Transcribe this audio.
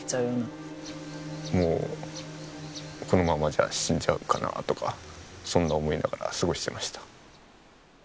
もうこのままじゃ死んじゃうかなとかそんな思いながら過ごしてました。